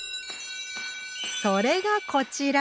それがこちら！